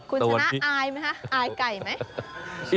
คุณชนะอายไหมคะอายไก่ไหม